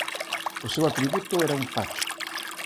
O seu atributo era un facho.